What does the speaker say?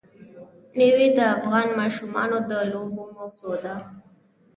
مېوې د افغان ماشومانو د لوبو موضوع ده.